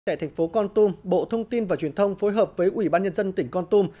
tại thành phố con tum bộ thông tin và truyền thông phối hợp với ủy ban nhân dân tỉnh con tum